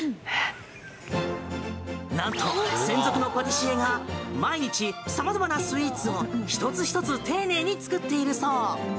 なんと、専属のパティシエが毎日、様々なスイーツを１つ１つ丁寧に作っているそう。